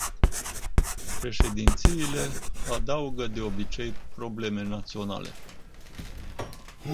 Președințiile adaugă, de obicei, probleme naționale.